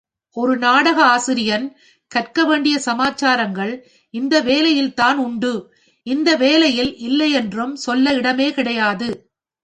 ஒரு நாடகாசிரியன் கற்க வேண்டிய சமாச்சாரங்கள் இந்த வேலையில்தான் உண்டு, இந்த வேலையில் இல்லையென்று சொல்ல இடமே கிடையாது.